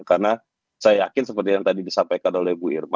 karena saya yakin seperti yang tadi disampaikan oleh bu irma